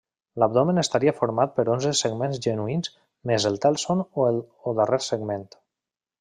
L'abdomen estaria format per onze segments genuïns més el tèlson o darrer segment.